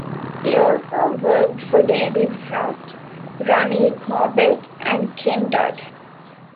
He also worked for David Frost, Ronnie Corbett and Ken Dodd.